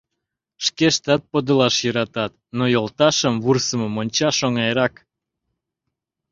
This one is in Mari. Шкештат подылаш йӧратат, но йолташым вурсымым ончаш оҥайрак.